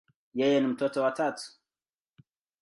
Yeye ni mtoto wa tatu.